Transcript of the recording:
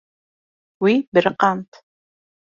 Wî biriqand.